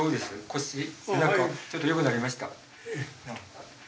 腰背中ちょっとよくなりました？